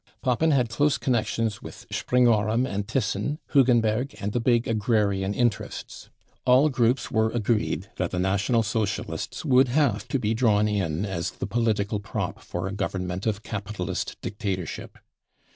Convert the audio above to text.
Papen had close connections with Springorum and Thyssen, Hugenberg and the big agrarian 1 interests. All groups were agreed that the National Socia lists would have to be drawn in as the political prop for a government of capitalist dictatorship.